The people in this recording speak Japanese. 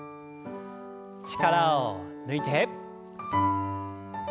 力を抜いて。